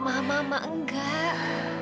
ma mama enggak